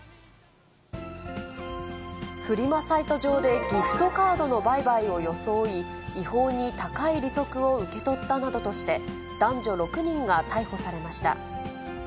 フリマサイト上で、ギフトカードの売買を装い、違法に高い利息を受け取ったなどとして、男女６人が逮捕されました。